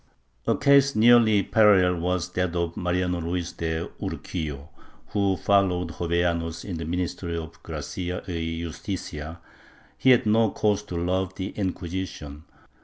* A case nearly parallel was that of Mariano Luis de Urquijo, who followed Jovellanos in the ministry of Gracia y Justicia. He had no cause to love the Inquisition.